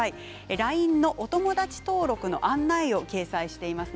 ＬＩＮＥのお友達登録の案内を掲載しています。